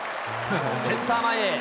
センター前へ。